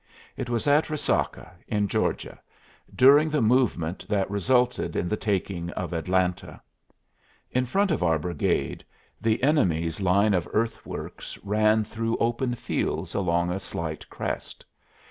It was at Resaca, in Georgia, during the movement that resulted in the taking of Atlanta. In front of our brigade the enemy's line of earthworks ran through open fields along a slight crest.